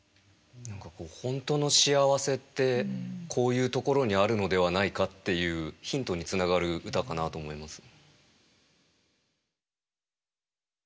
本当の幸せってこういうところにあるのではないかっていうヒントにつながる歌かなと思います。